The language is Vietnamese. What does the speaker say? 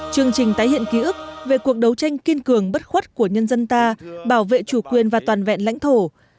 chương trình tái hiện ký ức về cuộc đấu tranh kiên cường bất khuất của nhân dân ta bảo vệ chủ quyền và toàn vẹn lãnh thổ